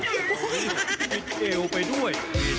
อุ๊ยทิศแอวไปด้วย